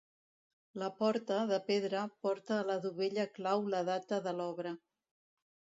La porta, de pedra, porta a la dovella clau la data de l'obra.